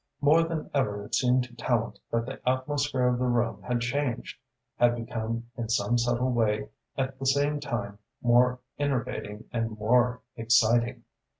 More than ever it seemed to Tallente that the atmosphere of the room had changed, had become in some subtle way at the same time more enervating and more exciting.